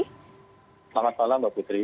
selamat malam mbak putri